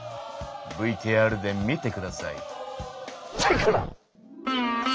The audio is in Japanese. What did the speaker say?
ＶＴＲで見てください。